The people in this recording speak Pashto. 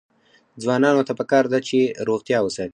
ځوانانو ته پکار ده چې، روغتیا وساتي.